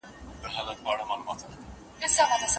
هغه خپل مسئوليتونه نه دي هير کړي.